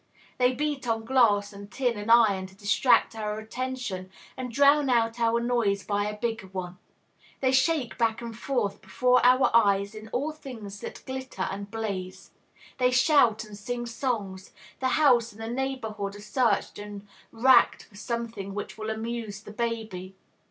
They beat on glass and tin and iron to distract our attention and drown out our noise by a bigger one; they shake back and forth before our eyes all things that glitter and blaze; they shout and sing songs; the house and the neighborhood are searched and racked for something which will "amuse" the baby.